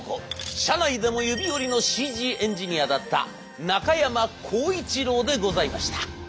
社内でも指折りのＣＧエンジニアだった中山香一郎でございました。